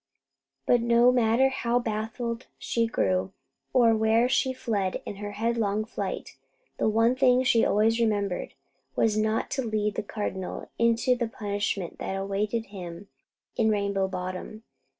But no matter how baffled she grew, or where she fled in her headlong flight, the one thing she always remembered, was not to lead the Cardinal into the punishment that awaited him in Rainbow Bottom.